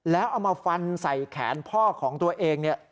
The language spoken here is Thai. แล้วเอามาฟันใส่แขนพ่อของตัวเองเนี่ย